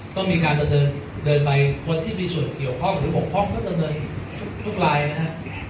ก็มีการจะเดินเดินไปคนที่มีส่วนเกี่ยวข้องหรือหกข้องก็จะเดินทุกลายนะฮะ